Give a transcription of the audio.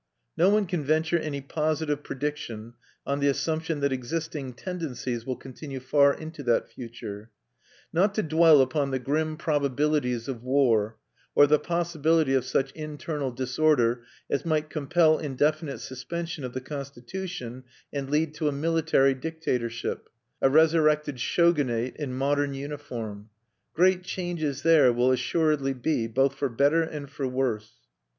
No one can venture any positive prediction on the assumption that existing tendencies will continue far into that future. Not to dwell upon the grim probabilities of war, or the possibility of such internal disorder as might compel indefinite suspension of the constitution, and lead to a military dictatorship, a resurrected Shogunate in modern uniform, great changes there will assuredly be, both for better and for worse.